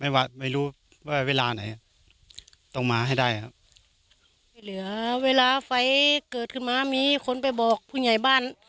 ไม่รู้ว่าไม่รู้ว่าเวลาไหนต้องมาให้ได้ครับไม่เหลือเวลาไฟเกิดขึ้นมามีคนไปบอกผู้ใหญ่บ้าน